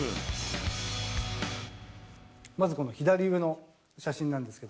まずこの左上の写真なんです